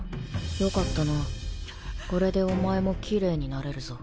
よかったなこれでお前もキレイになれるぞ。